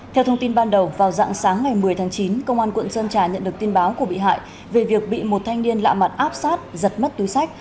theo thông tin ban đầu vào dạng sáng ngày một mươi tháng chín công an quận sơn trà nhận được tin báo của bị hại về việc bị một thanh niên lạ mặt áp sát giật mất túi sách